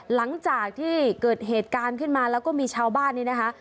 หลังจากที่เกิดเหตุการณ์ขึ้นมาแล้วก็มีชาวบ้านนี้นะคะ